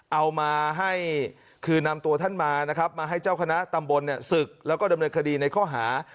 เอามาให้คือนำตัวท่านมานะครับมาให้เจ้าคณะตำบลศึกแล้วก็ดำเนินคดีในข้อหา